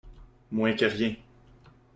Moins que rien!